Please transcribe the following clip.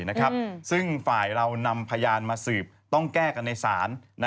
ขณะตอนอยู่ในสารนั้นไม่ได้พูดคุยกับครูปรีชาเลย